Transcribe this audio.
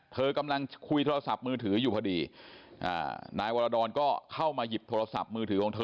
เธอกำลังคุยโทรศัพท์มือถืออยู่พอดีนายวรดรก็เข้ามาหยิบโทรศัพท์มือถือของเธอ